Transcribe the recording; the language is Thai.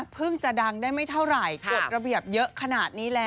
จะดังได้ไม่เท่าไหร่กฎระเบียบเยอะขนาดนี้แล้ว